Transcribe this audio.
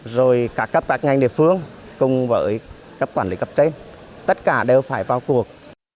rồi các bạc ngành địa phương cùng với các quản lý cấp trên tất cả đều phải vào cuộc